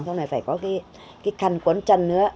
xong rồi phải có cái căn quấn chân nữa